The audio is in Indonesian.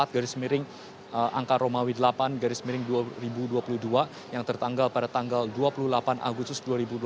garis miring angka romawi delapan garis miring dua ribu dua puluh dua yang tertanggal pada tanggal dua puluh delapan agustus dua ribu dua puluh